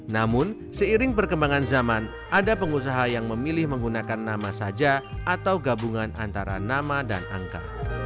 namun seiring perkembangan zaman ada pengusaha yang memilih menggunakan nama saja atau gabungan antara nama dan angka